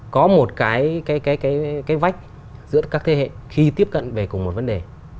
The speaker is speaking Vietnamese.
có một cái vách giữa các thế hệ khi tiếp cận về cùng một vấn đề